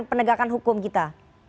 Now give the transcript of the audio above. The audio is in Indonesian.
penegakan hukum kita